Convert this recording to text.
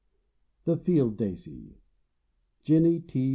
THE FIELD DAISY. JENNY T.